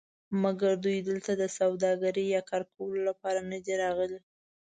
مګر دوی دلته د سوداګرۍ یا کار کولو لپاره ندي راغلي.